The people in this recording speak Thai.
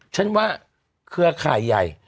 ช่วงว่าเครือขายใหญ่